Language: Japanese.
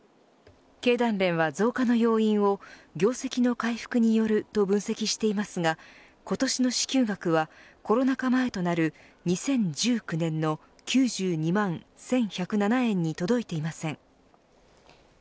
経団連は増加の要因を業績の回復によると分析していますが今年の支給額はコロナ禍前となる２０１９年の９２万１１０７円に届いていません。